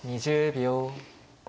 ２０秒。